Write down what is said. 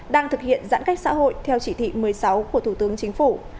đang thực hiện giãn cách xã hội theo chỉ thị một mươi sáu của thủ tướng chính phủ